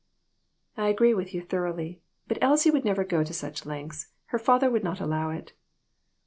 " I agree with you thoroughly ; but Elsie would never go to such lengths ; her father would not allow it."